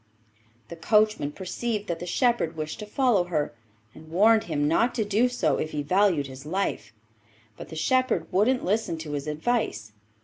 The coachman perceived that the shepherd wished to follow her, and warned him not to do so if he valued his life; but the shepherd wouldn't listen to his advice.